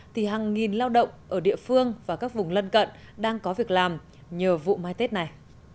thì hàng nghìn lao động ở địa phương và các vùng lân cận đang có việc làm nhờ vụ mai tết này